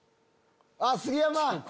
あっ杉山！